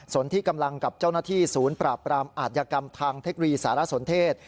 ส่วนที่กำลังกับเจ้าหน้าที่ศูนย์ปราบปรามอาธิกรรมทางเทคโนโลยีสารสนเทศ